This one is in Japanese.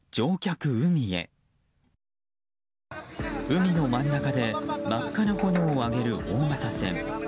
海の真ん中で真っ赤な炎を上げる大型船。